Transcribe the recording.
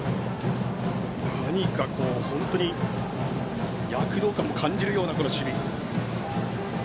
何か本当に躍動感も感じるような守備。